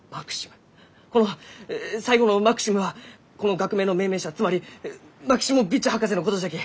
この最後の「マクシム」はこの学名の命名者つまりマキシモヴィッチ博士のことじゃき！